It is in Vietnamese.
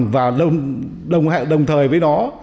và đồng thời với nó